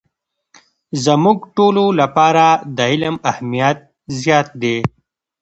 زموږ ټولو لپاره د علم اهمیت زیات دی.